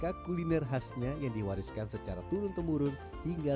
membuka kuliner khasnya yang diwariskan secara turun temurun hingga